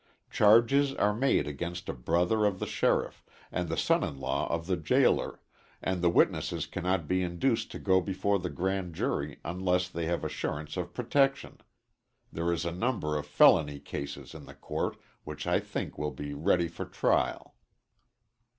Charges are made against a brother of the sheriff, and the son in law of the jailer, and the witnesses cannot be induced to go before the grand jury unless they have assurance of protection. There is a number of felony cases in the court, which I think will be ready for trial....